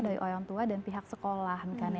dari orang tua dan pihak sekolah